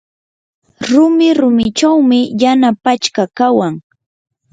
rumi rumichawmi yana pachka kawan.